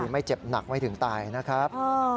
ไม่เจ็บหนักไม่ถึงตายนะครับ